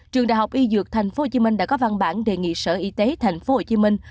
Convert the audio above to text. trường đại học y dược thành phố hồ chí minh đã có văn bản đề nghị sở y tế thành phố hồ chí minh